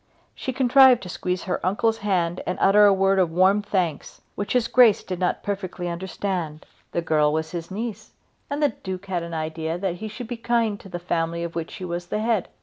She contrived to squeeze her uncle's hand and to utter a word of warm thanks, which his grace did not perfectly understand. The girl was his niece and the Duke had an idea that he should be kind to the family of which he was the head.